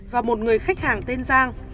và một người khách hàng tên giang